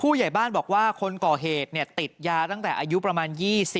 ผู้ใหญ่บ้านบอกว่าคนก่อเหตุติดยาตั้งแต่อายุประมาณ๒๐